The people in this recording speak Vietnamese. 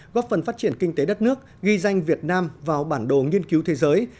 góp phần phát triển kinh tế đất nước ghi danh việt nam vào bản đồ nghiên cứu thế giới